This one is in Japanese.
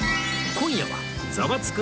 今夜は『ザワつく！